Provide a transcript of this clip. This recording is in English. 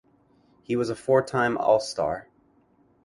He was a four-time All-Star.